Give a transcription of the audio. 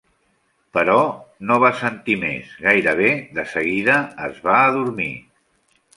Però no va sentir més, gairebé de seguida es va adormir.